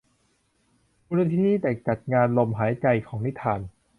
มูลนิธิเด็กจัดงานลมหายใจของนิทาน